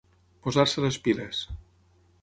Posar-se les piles.